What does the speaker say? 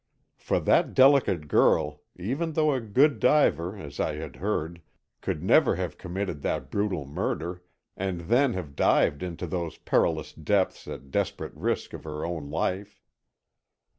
For that delicate girl, even though a good diver, as I had heard, could never have committed that brutal murder, and then have dived into those perilous depths at desperate risk of her own life.